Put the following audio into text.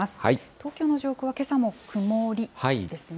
東京の上空は、けさも曇りですね。